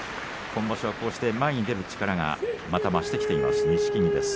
今場所はこうして前に出る力がまた増してきています